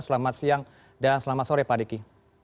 selamat siang dan selamat sore pak diki